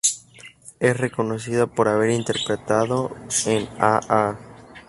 Es reconocida por haber interpretado a en Aa!